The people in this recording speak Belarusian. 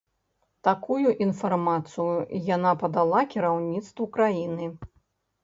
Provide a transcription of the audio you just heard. Такую інфармацыю яна падала кіраўніцтву краіны.